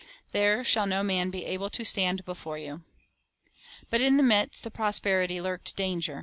There shall no man be able to stand before you." 3 But in the midst of prosperity lurked danger.